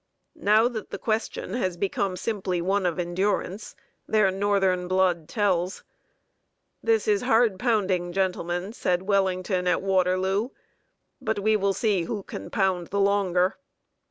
Now that the question has become simply one of endurance, their Northern blood tells. "This is hard pounding, gentlemen," said Wellington at Waterloo; "but we will see who can pound the longer."